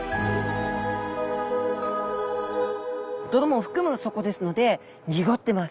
泥も含む底ですので濁ってます。